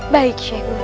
baik syekh guru